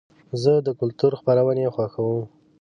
زه د کلتور خپرونې خوښوم.